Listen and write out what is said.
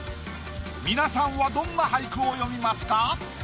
皆さんはどんな俳句を詠みますか？